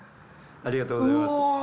ありがとうございます。